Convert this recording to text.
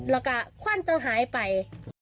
แล้วก็ควันเจ้าหายไป